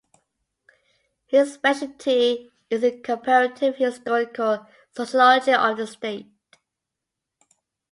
His specialty is the comparative historical sociology of the state.